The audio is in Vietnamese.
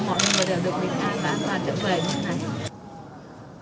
mình có mong cho tất cả mọi người đều được đi xa và trở về nước này